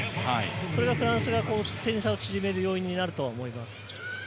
それがフランスが点差を縮める要因だと思います。